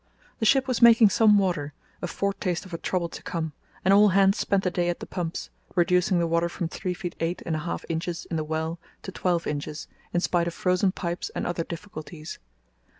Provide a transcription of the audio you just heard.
The ship was making some water, a fore taste of a trouble to come, and all hands spent the day at the pumps, reducing the water from three feet eight and a half inches in the well to twelve inches, in spite of frozen pipes and other difficulties.